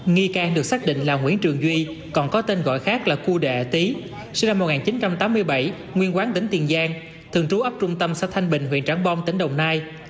nghi cang được xác định là nguyễn trường duy còn có tên gọi khác là cua đệ tý sinh năm một nghìn chín trăm tám mươi bảy nguyên quán tỉnh tiền giang thường trú ấp trung tâm xã thanh bình huyện tráng bong tỉnh đồng nai